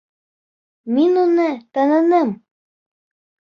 Мин уны таныным.